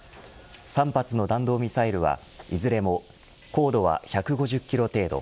３発の弾道ミサイルはいずれも高度は１５０キロ程度。